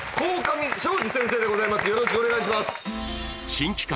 新企画